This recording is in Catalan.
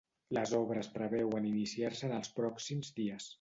Les obres preveuen iniciar-se en els pròxims dies.